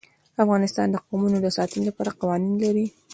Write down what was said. افغانستان د قومونه د ساتنې لپاره قوانین لري.